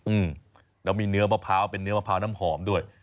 อืมแล้วมีเนื้อมะพร้าวเป็นเนื้อมะพร้าวน้ำหอมด้วย